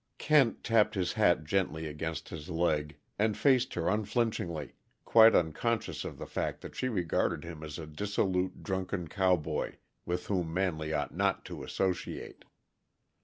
Kent tapped his hat gently against his leg and faced her unflinchingly, quite unconscious of the fact that she regarded him as a dissolute, drunken cowboy with whom Manley ought not to associate.